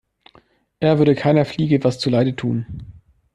Er würde keiner Fliege was zu Leide tun.